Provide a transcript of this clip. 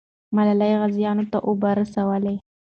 ملالۍ غازیانو ته اوبه رسولې.